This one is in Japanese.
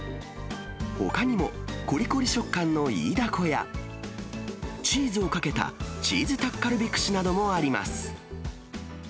ほかにもこりこり食感のイイダコや、チーズをかけたチーズタッカルビ串などもあります。